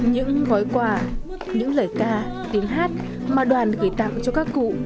những gói quà những lời ca tiếng hát mà đoàn gửi tặng cho các cụ